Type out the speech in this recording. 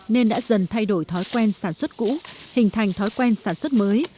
nên đã dần thay đổi thói quen sản xuất cũ hình thành thói quen sản xuất mới